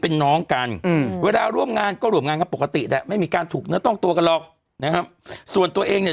แล้วอากาศมันเป็นใจ